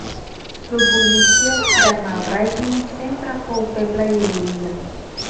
L'oposició externa al règim sempre fou feble i dividida.